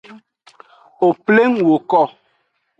Wo pleng woko.